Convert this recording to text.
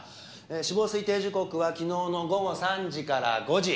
死亡推定時刻は昨日の午後３時から５時。